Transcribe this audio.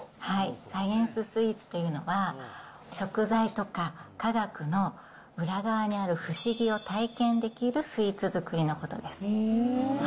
サイエンススイーツというのは、食材とか科学の裏側にある不思議を体験できるスイーツ作りのこと